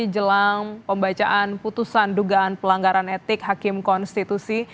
jelang pembacaan putusan dugaan pelanggaran etik hakim konstitusi